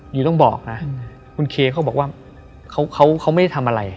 ยูต้องบอกนะคุณเคเขาบอกว่าเขาไม่ได้ทำอะไร